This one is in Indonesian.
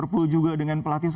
liverpool juga dengan pelatih baru